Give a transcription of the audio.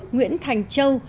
hai nguyễn thành châu